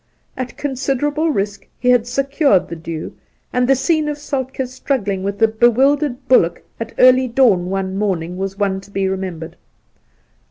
At considerable risk he had secured the dew, and the scene of Soltk^'s struggling with the bewildered bullock at early dawn one morning was one to be remembered.